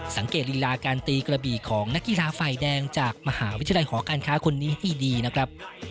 ลิลาการตีกระบี่ของนักกีฬาฝ่ายแดงจากมหาวิทยาลัยหอการค้าคนนี้ให้ดีนะครับ